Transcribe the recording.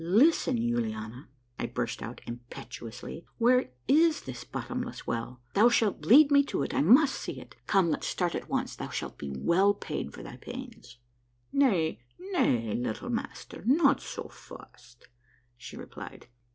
"Listen, Yuliana," I burst out impetuously, "where is this bottomless well ? Thou shalt lead me to it ; I must see it. Come, let's start at once. Thou shalt be well paid for thy pains." " Nay, nay, little master, not so fast," she replied.